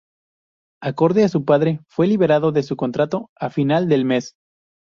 Acorde a su padre, fue liberado de su contrato a final del mes.